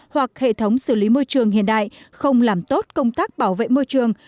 hoặc hệ thống xử lý môi trường hiện đại không làm tốt công tác bảo vệ môi trường